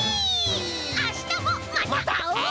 あしたもまたあおう！